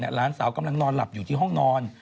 หลานสาวกำลังนอนหลับอยู่ที่ห้องนอน